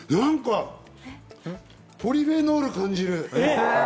ポリフェノール感じる。